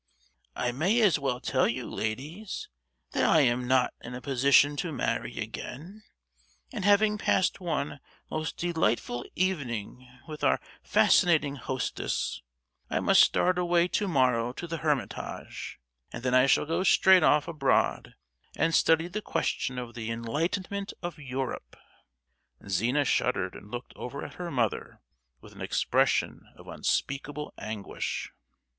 I may as well tell you, ladies, that I am not in a position to marry again; and having passed one most delightful evening with our fascinating hostess, I must start away to morrow to the Hermitage, and then I shall go straight off abroad, and study the question of the enlightenment of Europe." Zina shuddered, and looked over at her mother with an expression of unspeakable anguish.